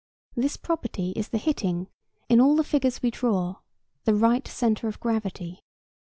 This property is the hitting, in all the figures we draw, the right centre of gravity.